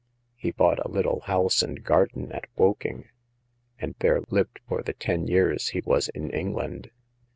He bought a little house and garden at Woking, and there lived for the ten years he was in England.